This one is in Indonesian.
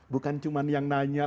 bukan cuma yang nanya